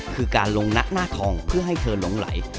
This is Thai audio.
คือการลงนะหน้าทองเพื่อให้เธอหลงไหล